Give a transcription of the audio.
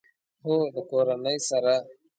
هو، د کورنۍ سره